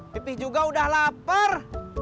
pipih juga udah lapar